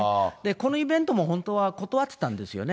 このイベントも本当は断ってたんですよね。